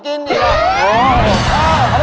จับข้าว